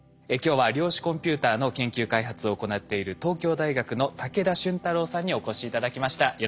今日は量子コンピューターの研究開発を行っている東京大学の武田俊太郎さんにお越し頂きました。